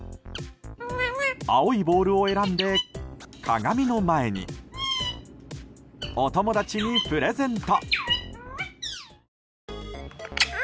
青いボールを選んで鏡の前に。お友達にプレゼント。